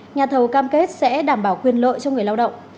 nhà thầu cam kết sẽ đảm bảo quyền lợi cho người lao động